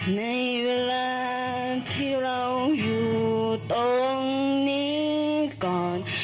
ในเวลาที่เราอยู่ตรงนี้ก่อน